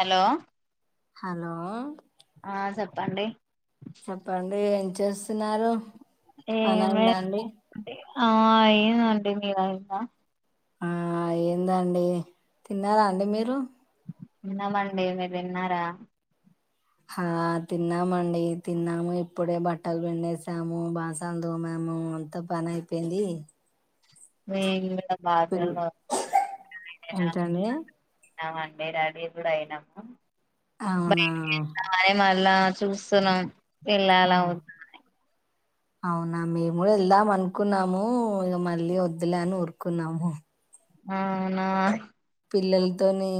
hello hello తండడి చెప్పండి ఏం చేస్తున్నారు పని ఏమే అయిందా అండి ఆ అయ్యిందండి మిది అయిందా ఆ ఏందండి తిన్నారా అండి మీరు తిన్నామండి మీరు తిన్నారా ఆ తిన్నామండి తిన్నాము ఇప్పుడే బట్టలు పిండేసాము బసన్లు దోమాము అంతా పని అయిపోయింది [unintelligible] నా పిల్ ఏంటండి అండే రాడీ కూడా అయినాము అవునా అలా చూస్తున్నాం ఇలా ఓ వద్దని అవునా మేము కూడా వెళ్దాం అనుకున్నాము ఇక మళ్ళీ వద్దులే అని ఊరుకున్నాము ఆనా పిల్లలతోని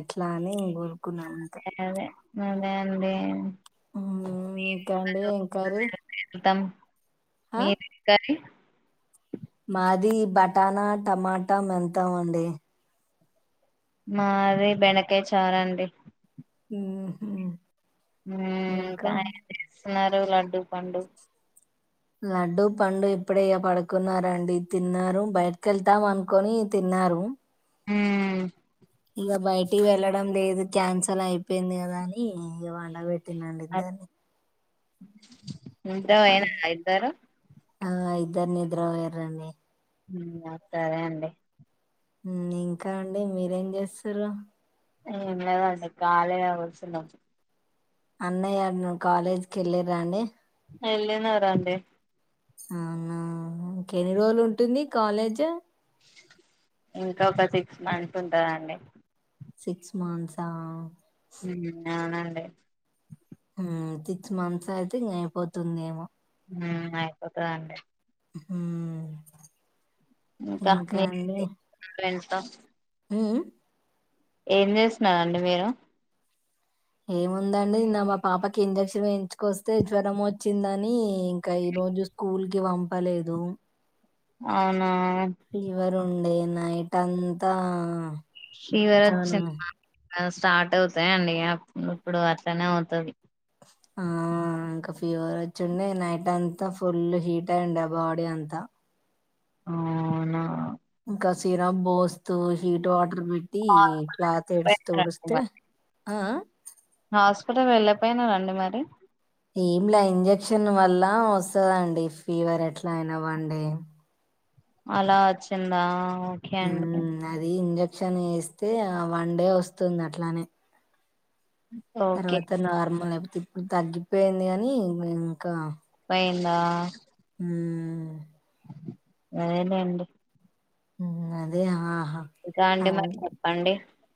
ఎట్లా అని కోరుకున్నామం అదే అదే అండి ఇంకాండి ఏం కర్రీ వెళ్తాం ఆ మీది ఏం కర్రీ మాది బటానా టమాటా మెంతం అండి మాది బెండకాయ చారండి హమ్ ఇంకా ఏం చేస్తున్నారు లడ్డూ పండు లడ్డు పండు ఇప్పుడ ఇగా పడుకున్నారండి తిన్నారు బయటకి వెళ్తాం అనుకని తి తిన్నారు హమ్ ఇ బయటికి వెళ్లడం లేదు క్యాన్సల్ అయిపోయింది కదా అని ఇ వండ పెట్ తన్నా ఇద్దర్ని నిద్రపోయినారా ఇద్దరూ ఆ ఇద్దరు నిద్ర పోయ్యండి సరే అండి ఇంకా అండి మీరేం చేస్తారు ఏం లేద్ అండి ఖాళీగా కూర్చున్నాం అన్నయ్య కాలేజ్కి వెళ్ళిరాండి వెళ్ళినాడండి అవునా ఇంకెన్ని రోజులు ఉంటుంది కాలేజ్ ఇంకా ఒక సిక్స్ మంత్స్ ఉంటుందండి సిక్స్ మంత్స అవునండి సిక్స్ మంత్స్ అయితే ఇంకా అయిపోతుందిమో అయిపోతుందండి [unintelligible] ఇంకా మీ ఫ్రెండ్స్ తో హమ్ ఏం చేస్తున్నారండి మీరు ఏముందండి నా మా పాపకి ఇంజక్షన్ ఎంచుకొస్తే జ్వరం వచ్చిందని ఇంకా ఇ రోజు స్కూల్ కి పంపలేదు అవునా ఫీవర్ ఉండే నైట్ అంతా శ్రీవర్ చానా వచ్చిందా స్టార్ట్ అవుతాయిండి [unintelligible] ఇప్పుడు అట్లనే అవుతుది ఆ ఇంకా ఫీవర్ వచ్చిండే నైట్ అంతా ఫుల్ హీట్ అయిండడి ఆ బాడీ అంతా అవునా ఇంకా సిరప్ బోస్తు హీట్ వాటర్ అబట్టి క్లాత్ ఎడస్త తుడిస్తే ఆ ఆ హాస్పిటల్ వెళ్ళపోయినా రండి మరి ఏమిలా ఇంజక్షన్ వల్ల వస్తుందండి ఫీవర్ ఎట్లా అయినా వన్ డే అలా వచ్చిందా ఓకే హ అండి అది ఇంజక్షన్ వేస్తే వన్ డే వస్తుంది అట్లానే ఓకే తర్వాత నార్మల్ అయిపోతాది తగ్గిపోయింది కాని ఇంకా ఎండా హ్మ్ అదే లెండి అదే ఆ ఇంకా అండి మరి చెప్పండి